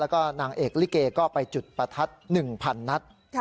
แล้วก็นางเอกลิเกก็ไปจุดประทัด๑๐๐นัด